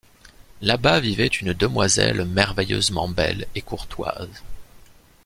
Là bas vivait une demoiselle merveilleusement belle et courtoise.